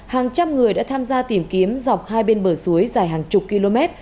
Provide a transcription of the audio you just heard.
hàng trăm người đã tham gia tìm kiếm dọc hai bên bờ suối dài hàng chục km